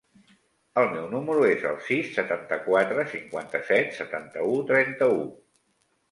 El meu número es el sis, setanta-quatre, cinquanta-set, setanta-u, trenta-u.